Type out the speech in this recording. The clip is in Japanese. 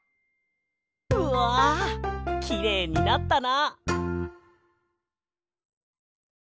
うわきれいになったな。